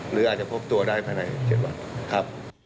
หรืออาจจะพบตัวได้ภายใน๗วันครับ